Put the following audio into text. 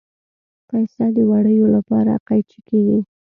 پسه د وړیو لپاره قیچي کېږي.